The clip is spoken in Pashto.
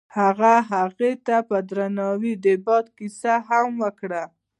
هغه هغې ته په درناوي د باد کیسه هم وکړه.